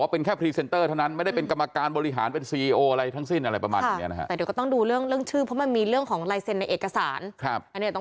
เป็นเสื้อกับกางเกงขาสั้น